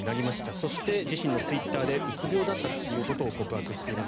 そして、自身のツイッターでうつ病だったということを告白しています。